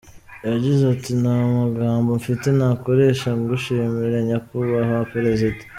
Yagize ati “ Nta magambo mfite nakoresha ngushimira Nyakubahwa Perezida.